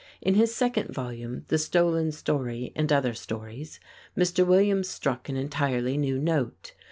In his second volume, "The Stolen Story and Other Stories," Mr. Williams struck an entirely new note.